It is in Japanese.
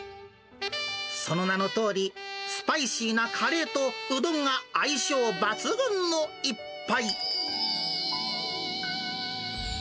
その名のとおり、スパイシーなカレーとうどんが相性抜群の一杯。